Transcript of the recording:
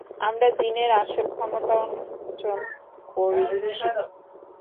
আমরা জিনের আসল ক্ষমতা উন্মোচন করছি।